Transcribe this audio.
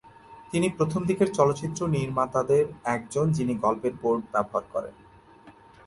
তিনি প্রথম দিকের চলচ্চিত্র নির্মাতাদের একজন, যিনি গল্পের বোর্ড ব্যবহার করেন।